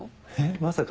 まさか。